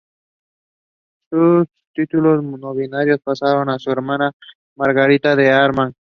Sus títulos nobiliarios pasaron a su hermana Margarita de Armagnac.